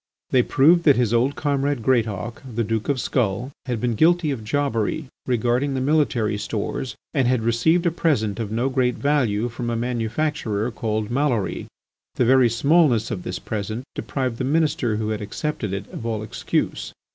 They proved that his old comrade Greatauk, the Duke of Skull, had been guilty of jobbery regarding the military stores and had received a present of no great value from a manufacturer called Maloury. The very smallness of this present deprived the Minister who had accepted it of all excuse.